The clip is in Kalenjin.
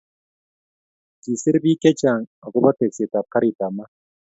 kisir biik chechang akobo tekset ab karit ab maat